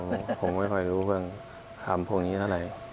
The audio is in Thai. ผมไม่ค่อยรู้เรื่องคำพวกนี้เท่าไหร่